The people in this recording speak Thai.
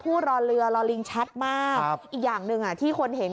รอเรือรอลิงชัดมากอีกอย่างหนึ่งอ่ะที่คนเห็น